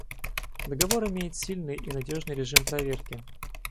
Договор имеет сильный и надежный режим проверки.